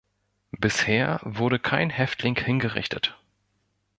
Bisher wurde kein Häftling hingerichtet.